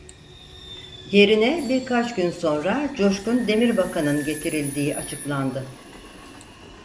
Yerine birkaç gün sonra Coşkun Demirbakan'ın getirildiği açıklandı.